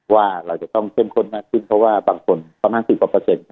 ว่าเราจะต้องเข้มข้นมากขึ้นเพราะว่าบางคนประมาณ๑๐กว่าเปอร์เซ็นต์